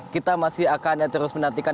kita masih akan terus menantikan